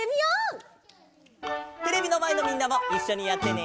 テレビのまえのみんなもいっしょにやってね！